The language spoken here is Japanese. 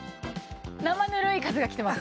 生ぬるい風が来てます。